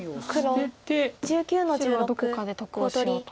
白はどこかで得をしようと。